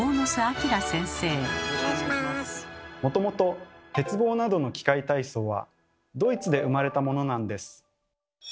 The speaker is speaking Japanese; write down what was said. もともと鉄棒などの器械体操はドイツで生まれたものなんです。